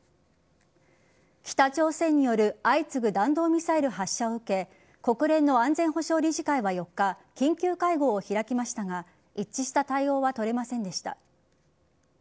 北朝鮮による相次ぐ弾道ミサイル発射を受け国連の安全保障理事会は４日緊急会合を開きましたが一致した対応は取れませんでした。